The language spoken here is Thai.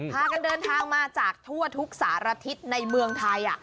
พากันเดินทางมาจากทั่วทุกสารทิศในเมืองไทย